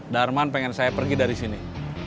darman pengen saya pergi dari sini